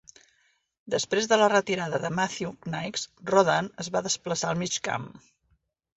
Després de la retirada de Matthew Knights, Rodan es va desplaçar al mig camp.